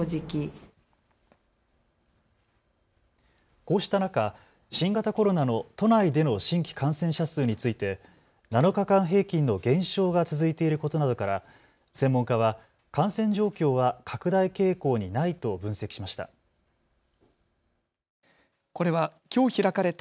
こうした中、新型コロナの都内での新規感染者数について７日間平均の減少が続いていることなどから専門家は感染状況は拡大傾向にないと分析しました。